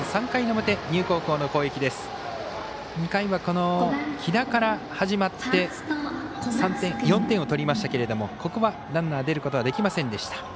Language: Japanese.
２回は、来田から始まって４点を取りましたけれどもここはランナー出ることはできませんでした。